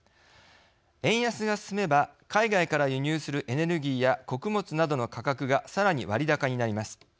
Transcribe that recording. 円安が進めば、海外から輸入するエネルギーや穀物などの価格がさらに割高になります。